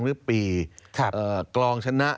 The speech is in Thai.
หรือปีกรองชนะ